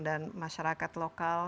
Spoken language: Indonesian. dan masyarakat lokal